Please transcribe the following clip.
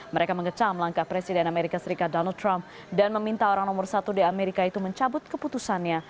mereka mengecam langkah presiden amerika serikat donald trump dan meminta orang nomor satu di amerika itu mencabut keputusannya